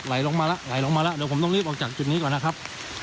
ลงมาแล้วไหลลงมาแล้วเดี๋ยวผมต้องรีบออกจากจุดนี้ก่อนนะครับ